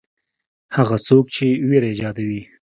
هغه څوک چې وېره ایجادوي.